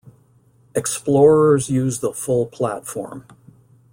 Xplorers use the full platform.